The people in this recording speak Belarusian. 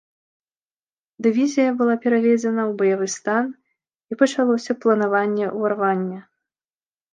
Дывізія была пераведзена ў баявы стан і пачалося планаванне ўварвання.